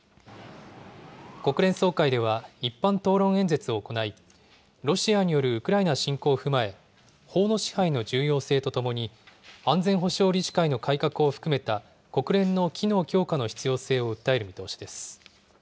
国連総会では一般討論演説を行い、ロシアによるウクライナ侵攻を踏まえ、法の支配の重要性とともに、安全保障理事会の改革を含めた国連の機能強化の必要性を訴える見通しです。